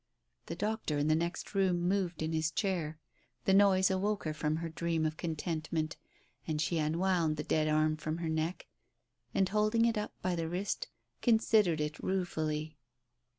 ..." The doctor in the next room moved in his chair. The noise awoke her from her dream of contentment, and she unwound the dead arm from her neck, and, holding it up by the wrist, considered it ruefully.